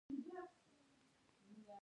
دوی لرغوني ځایونه د عاید سرچینه ګڼي.